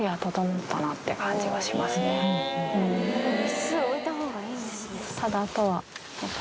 日数置いたほうがいいんですね。